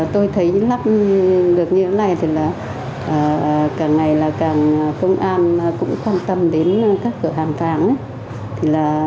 tôi thấy lắp được như thế này thì là càng ngày là càng công an cũng quan tâm đến các cửa hàng vàng